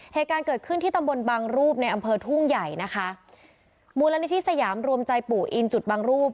เหตุการณ์เกิดขึ้นที่ตำบลบางรูปในอำเภอทุ่งใหญ่นะคะมูลนิธิสยามรวมใจปู่อินจุดบางรูป